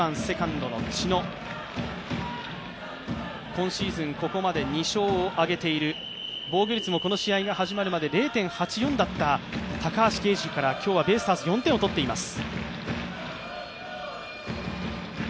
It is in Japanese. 今シーズン、ここまで２勝を挙げている、防御率もこの試合が始まるまで０．８４だった高橋奎二から、今日はベイスターズ４点を取っています。